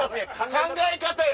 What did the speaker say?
考え方や！